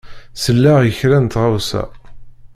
Selleɣ i kra n tɣawsa.